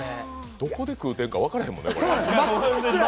どこで食うてんか分からへんもんな。